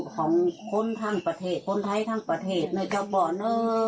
ของคนทางประเทศคนไทยทางประเทศจังป่อน่อ